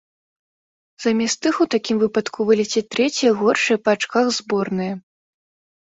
Замест іх у такім выпадку вылецяць трэція горшыя па ачках зборныя.